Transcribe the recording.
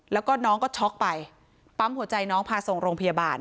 แล้วก็น้องก็ช็อกไปปั๊มหัวใจน้องพาส่งโรงพยาบาล